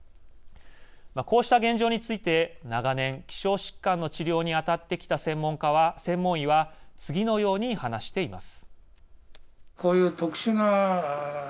こうした現状について長年、希少疾患の治療に当たってきた専門医は次のように話しています。